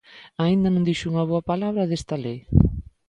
Aínda non dixo unha boa palabra desta lei.